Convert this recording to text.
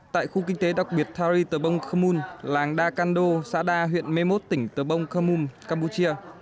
tại khu kinh tế đặc biệt thari tờ bông khờ nung làng đa cando xã đa huyện mê mốt tỉnh tờ bông khờ nung campuchia